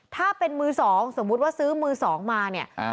ถ้าเป็นมือสองสมมุติว่าซื้อมือสองมาเนี่ย